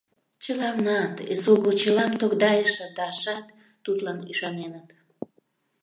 Чыланат, эсогыл чылам тогдайыше Дашат, тудлан ӱшаненыт!